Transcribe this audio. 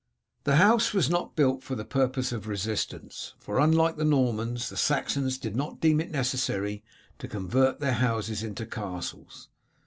The house was not built for the purpose of resistance, for, unlike the Normans, the Saxons did not deem it necessary to convert their houses into castles.